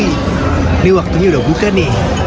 ini waktunya udah buka nih